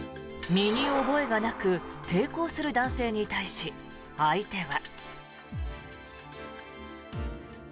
身に覚えがなく抵抗する男性に対し、相手は。